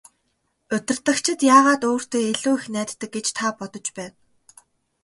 Удирдагчид яагаад өөртөө илүү их найддаг гэж та бодож байна?